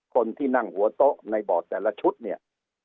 คนที่นั่งหัวโต๊ะในบอร์ดแต่ละชุดเนี่ย